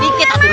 dikit aja neng